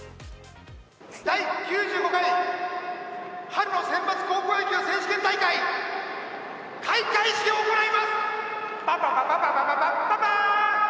第９５回春の選抜高校野球大会開会式を行います！